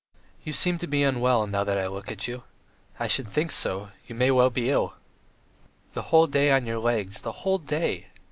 "You seem to be unwell, now I look at you. I should think so; you may well be ill! The whole day on your legs, the whole day.